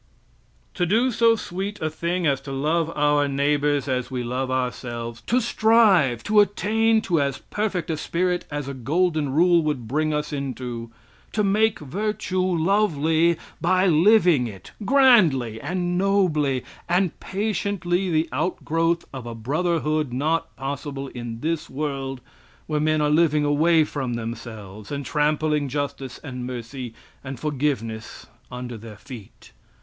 ] To do so sweet a thing as to love our neighbors as we love ourselves; to strive to attain to as perfect a spirit as a Golden Rule would bring us into; to make virtue lovely by living it, grandly and nobly and patiently the outgrowth of a brotherhood not possible in this world where men are living away from themselves, and trampling justice and mercy and forgiveness under their feet!